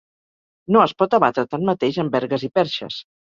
No es pot abatre tanmateix amb vergues i perxes.